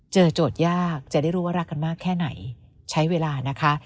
โจทย์ยากจะได้รู้ว่ารักกันมากแค่ไหนใช้เวลานะคะ